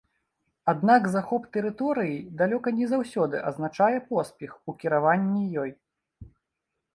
Аднак захоп тэрыторыі далёка не заўсёды азначае поспех у кіраванні ёй.